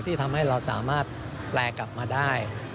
ที่ทำให้เราสามารถแปลกลับมาได้